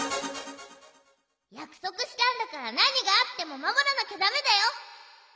やくそくしたんだからなにがあってもまもらなきゃだめだよ！